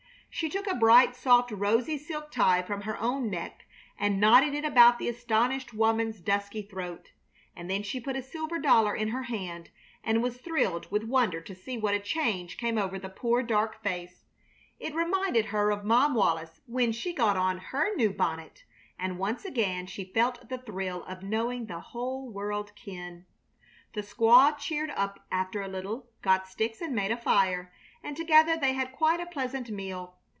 She took a bright, soft, rosy silk tie from her own neck and knotted it about the astonished woman's dusky throat, and then she put a silver dollar in her hand, and was thrilled with wonder to see what a change came over the poor, dark face. It reminded her of Mom Wallis when she got on her new bonnet, and once again she felt the thrill of knowing the whole world kin. The squaw cheered up after a little, got sticks and made a fire, and together they had quite a pleasant meal.